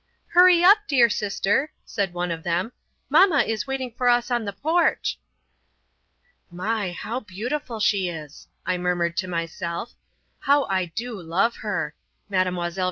"Hurry up, dear sister," said one of them, "Mama is waiting for us on the porch." "My! How beautiful she is," I murmured to myself. "How I do love her! Mlle.